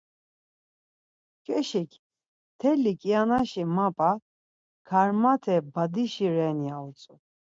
Mç̌ǩeşik, Mteli kianaşi Mapa, Karmat̆e badişi ren ya utzu.